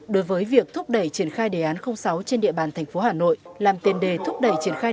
đối với việc thúc đẩy triển khai đề án sáu trên địa bàn thành phố hà nội làm tiền đề thúc đẩy triển khai